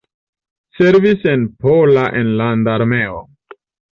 Servis en Pola Enlanda Armeo.